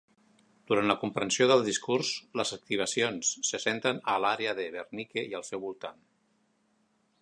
Durant la comprensió del discurs, les activacions se centren a l'àrea de Wernicke i al seu voltant.